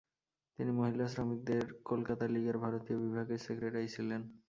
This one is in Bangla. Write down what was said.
তিনি মহিলা শ্রমিকদের কলকাতা লিগের ভারতীয় বিভাগের সেক্রেটারি ছিলেন।